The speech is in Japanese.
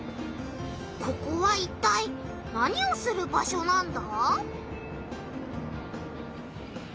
ここはいったい何をする場所なんだ？